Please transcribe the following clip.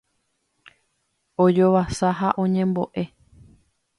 ojovasa ha oñembo'e